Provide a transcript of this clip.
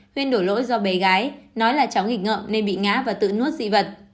huyên đổ lỗi do bé gái nói là cháu nghịch ngợm nên bị ngã và tự nuốt dị vật